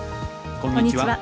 こんにちは。